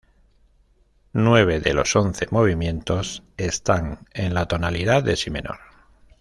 Nueve de los once movimientos están en la tonalidad de si menor.